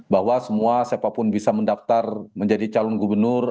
bahwa semua siapapun bisa mendaftar menjadi calon gubernur